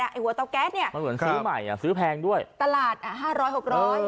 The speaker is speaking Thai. ไอ้หัวเตาแก๊สเนี้ยมันเหมือนซื้อใหม่อ่ะซื้อแพงด้วยตลาดอ่ะห้าร้อยหกร้อย